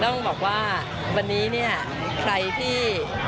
ต้องบอกว่าวันนี้เนี่ยใครที่